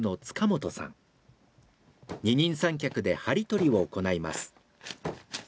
二人三脚で針取りを行います。